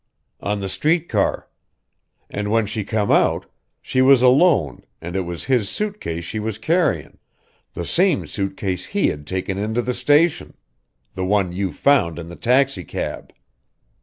"On the street car. And when she come out she was alone and it was his suit case she was carryin' the same suit case he had taken into the station. The one you found in the taxicab."